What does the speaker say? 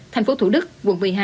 tp thủ đức quận một mươi hai